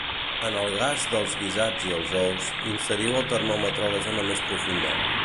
En el gas dels guisats i els ous, inseriu el termòmetre a la zona més profunda.